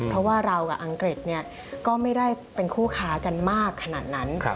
เพราะว่าเรากับอังกฤษก็ไม่ได้เป็นคู่ค้ากันมากขนาดนั้น